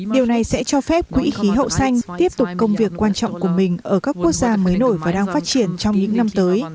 điều này sẽ cho phép quỹ khí hậu xanh tiếp tục công việc quan trọng của mình ở các quốc gia mới nổi và đang phát triển trong những năm tới